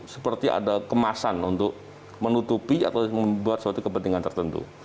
seperti ada kemasan untuk menutupi atau membuat suatu kepentingan tertentu